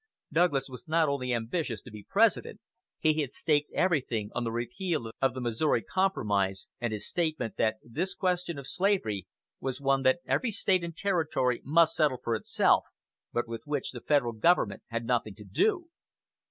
Douglas was not only ambitious to be President: he had staked everything on the repeal of the Missouri Compromise and his statement that this question of slavery was one that every State and Territory must settle for itself, but with which the Federal Government had nothing to do.